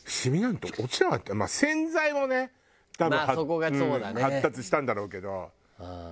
まあ洗剤もね多分発達したんだろうけど。